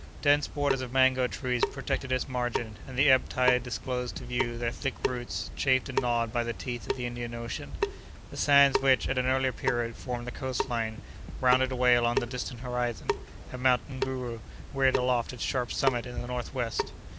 Dense borders of mango trees protected its margin, and the ebb tide disclosed to view their thick roots, chafed and gnawed by the teeth of the Indian Ocean. The sands which, at an earlier period, formed the coast line, rounded away along the distant horizon, and Mount Nguru reared aloft its sharp summit in the northwest.